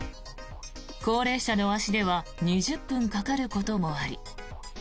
高齢者の足では２０分かかることもあり